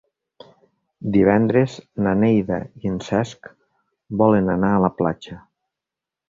Divendres na Neida i en Cesc volen anar a la platja.